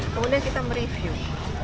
kemudian kita mereview